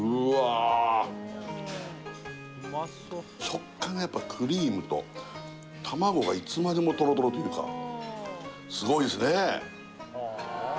食感がやっぱクリームと卵がいつまでもトロトロというかスゴイですねえ